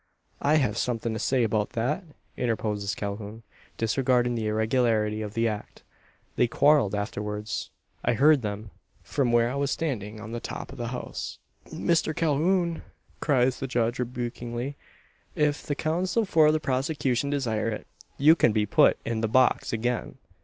"I have something to say about that," interposes Calhoun, disregarding the irregularity of the act; "they quarrelled afterwards. I heard them, from where I was standing on the top of the house." "Mr Calhoun!" cries the judge rebukingly; "if the counsel for the prosecution desire it, you can be put in the box again.